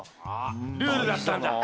ルールだったんだ。